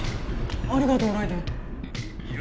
ありがとうライデェン！